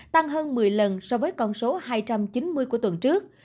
tăng hơn một mươi lần so với con số hai trăm chín mươi của tuần trước